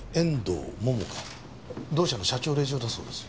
同社の社長令嬢だそうです。